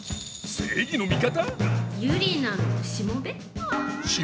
正義の味方？